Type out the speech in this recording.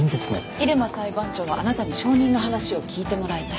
入間裁判長はあなたに証人の話を聞いてもらいたいと。